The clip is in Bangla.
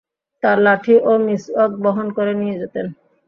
তার লাঠি ও মিসওয়াক বহন করে নিয়ে যেতেন।